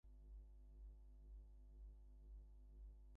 These patterns help the animal camouflage.